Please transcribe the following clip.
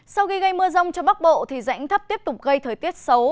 sau khi gây mưa rông cho bắc bộ thì rãnh thấp tiếp tục gây thời tiết xấu